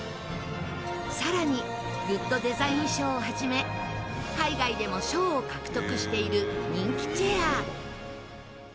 更にグッドデザイン賞をはじめ海外でも賞を獲得している人気チェア。